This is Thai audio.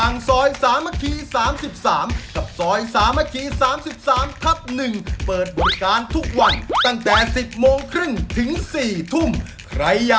นุ้ยบ๊วย